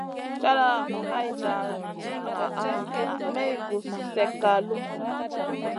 Cata hayta ka ti ŋaʼa naa may gus slèkka lumuʼu.